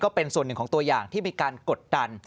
เป็นส่วนหนึ่งของตัวอย่างที่มีการกดดัน